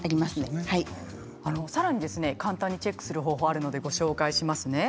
さらに簡単にチェックする方法があるのでご紹介しますね。